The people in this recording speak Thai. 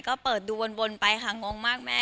ก็เปิดดูวนไปค่ะงงมากแม่